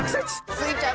スイちゃん